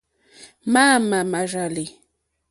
Máámà mà rzàlì.